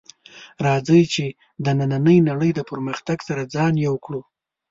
راځئ چې د نننۍ نړۍ د پرمختګ سره ځان یو کړو